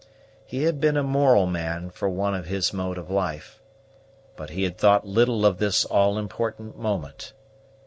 He had been a moral man for one of his mode of life, but he had thought little of this all important moment.